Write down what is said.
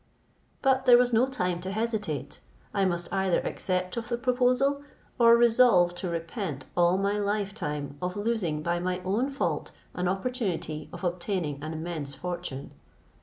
But there was no time to hesitate; I must either accept of the proposal, or resolve to repent all my lifetime of losing, by my own fault, an opportunity of obtaining an immense fortune.